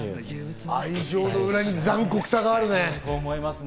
愛情の裏に残酷さがあるね。